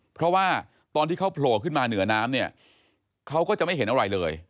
เพราะว่าตอนที่เขาโผล่ขึ้นมาเหนือน้ำเนี่ยเขาก็จะไม่เห็นอะไรเลย